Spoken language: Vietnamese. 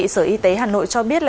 sở y tế hà nội cho biết